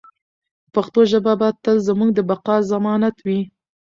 پښتو ژبه به تل زموږ د بقا ضمانت وي.